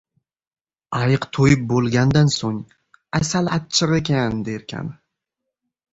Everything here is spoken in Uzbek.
• Ayiq to‘yib bo‘lgandan so‘ng “asal achchiq ekan” derkan.